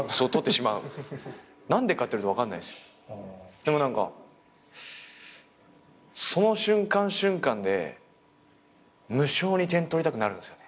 でも何かその瞬間瞬間で無性に点取りたくなるんですよね。